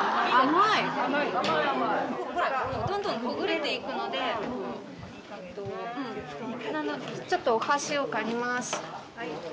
甘い甘いほらどんどんほぐれていくのでちょっとお箸を借ります